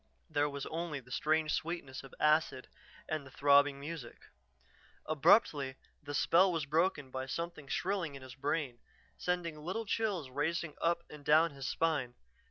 There was only the strange sweetness of acid and the throbbing music. Abruptly the spell was broken by something shrilling in his brain, sending little chills racing up and down his spine.